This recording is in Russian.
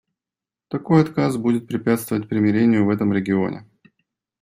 Такой отказ будет препятствовать примирению в этом регионе.